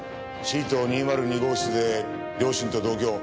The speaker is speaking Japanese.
Ｃ棟２０２号室で両親と同居。